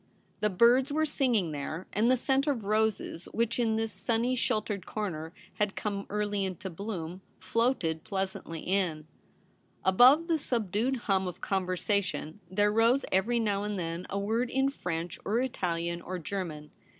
The birds were sing ing there, and the scent of roses, which in this sunny, sheltered corner had come early MARY'S RECEPTION. 257 into bloom, floated pleasantly in. Above the subdued hum of conversation there rose every now and then a word in French or Italian or German.